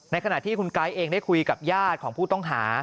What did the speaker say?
ขณะที่คุณไก๊เองได้คุยกับญาติของผู้ต้องหา